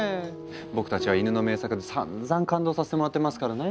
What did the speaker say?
僕たちはイヌの名作でさんざん感動させてもらってますからね。